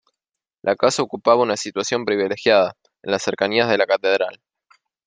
La casa ocupaba una situación privilegiada, en las cercanías de la Catedral.